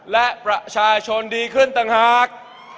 และประชาชนดีขึ้นต่างหาก